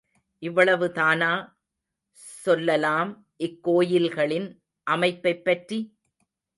இவ்வளவுதானா சொல்லலாம் இக்கோயில்களின் அமைப்பைப் பற்றி?